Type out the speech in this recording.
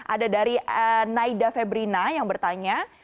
ada dari naida febrina yang bertanya